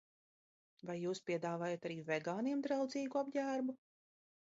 Vai jūs piedāvājat arī vegāniem draudzīgu apģērbu?